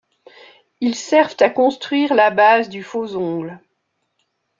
Ils servent à construire la base du faux ongle.